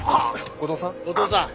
後藤さん？